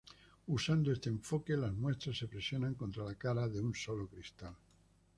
Usando este enfoque, las muestras se presionan contra la cara de un solo cristal.